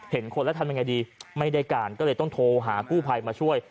เห็นคนแล้วทำยังไงดีไม่ได้การก็เลยต้องโทรหากู้ภัยมาช่วย